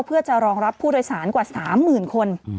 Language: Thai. เพื่อจะรองรับผู้โดยสารกว่า๓๐๐๐คน